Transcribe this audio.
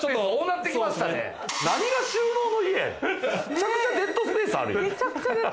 めちゃくちゃデッドスペース。